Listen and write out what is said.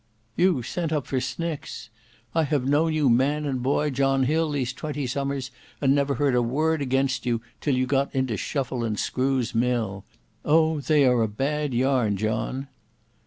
"You sent up for snicks! I have known you man and boy John Hill these twenty summers, and never heard a word against you till you got into Shuffle and Screw's mill. Oh! they are a bad yarn, John."